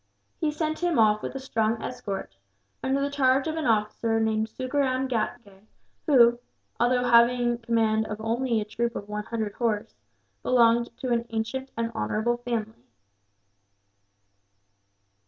He sent him off with a strong escort, under the charge of an officer named Sukaram Ghatgay who, although having command only of a troop of one hundred horse, belonged to an ancient and honourable family.